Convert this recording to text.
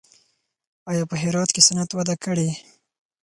آیا په هرات کې صنعت وده کړې؟